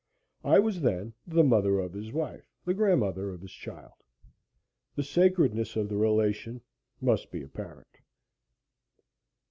I was then the mother of his wife the grandmother of his child. The sacredness of the relation must be apparent.